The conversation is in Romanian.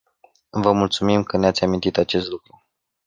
Vă mulțumim că ne-ați amintit acest lucru.